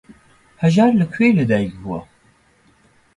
هەژار لە کوێ لەدایک بووە؟